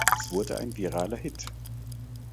Es wurde ein viraler Hit.